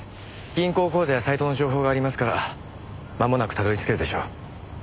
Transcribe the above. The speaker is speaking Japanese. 銀行口座やサイトの情報がありますからまもなくたどり着けるでしょう。